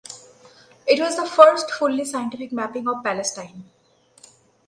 It was the first fully scientific mapping of Palestine.